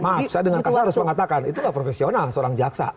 maaf saya dengan kasar harus mengatakan itu gak profesional seorang jaksa